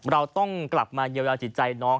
เราต้องกลับมาเยียวยาจิตใจน้อง